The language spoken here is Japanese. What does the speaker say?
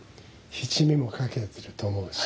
七味もかけてると思うし。